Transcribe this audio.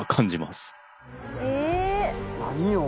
何よ？